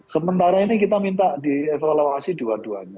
sementara ini kita minta dievaluasi dua duanya